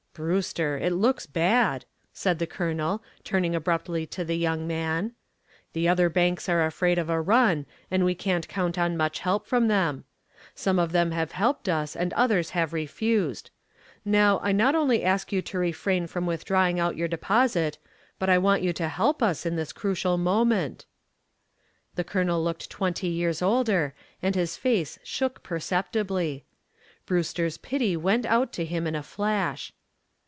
"Brewster, it looks bad," said the Colonel, turning abruptly to the young man. "The other banks are afraid of a run and we can't count on much help from them. Some of them have helped us and others have refused. Now, I not only ask you to refrain from drawing out your deposit, but I want you to help us in this crucial moment." The Colonel looked twenty years older and his voice shook perceptibly. Brewster's pity went out to him in a flash.